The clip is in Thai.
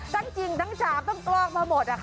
ตั้งจริงตั้งฉามต้องตลอกมาหมดนะค่ะ